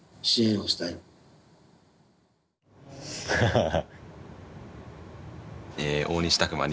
ハハハ。